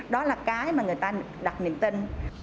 đó là cái mà người ta đặt niềm tin